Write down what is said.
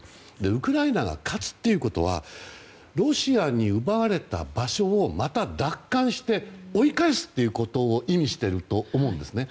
ウクライナが勝つということはロシアに奪われた場所をまた奪還して追い返すということを意味していると思うんですね。